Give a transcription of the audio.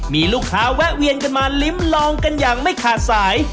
มีลูกค้าแวะเวียนกันมาลิ้มลองกันอย่างไม่ขาดสาย